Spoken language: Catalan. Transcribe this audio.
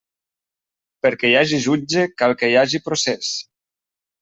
Perquè hi hagi jutge, cal que hi hagi procés.